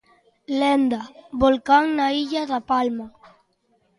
Lenda: Volcán na illa da Palma.